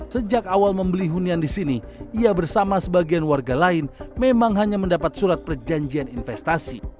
sejak awal membeli hunian di sini ia bersama sebagian warga lain memang hanya mendapat surat perjanjian investasi